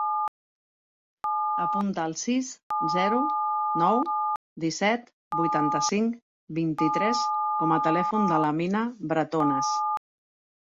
Apunta el sis, zero, nou, disset, vuitanta-cinc, vint-i-tres com a telèfon de l'Amina Bretones.